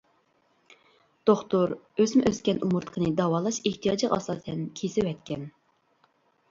دوختۇر ئۆسمە ئۆسكەن ئومۇرتقىنى داۋالاش ئېھتىياجىغا ئاساسەن كېسىۋەتكەن.